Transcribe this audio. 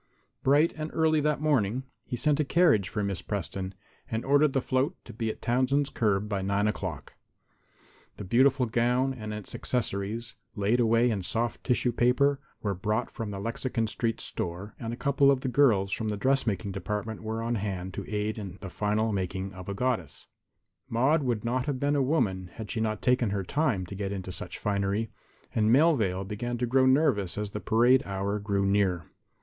Bright and early that morning he sent a carriage for Miss Preston, and ordered the float to be at Townsend's curb by 9 o'clock. The beautiful gown and its accessories, laid away in soft tissue paper, were brought from the Lexington street store, and a couple of the girls from the dressmaking department were on hand to aid the final making of a goddess. Maude would not have been a woman had she not taken her time to get into such finery, and Melvale began to grow nervous as the parade hour grew near.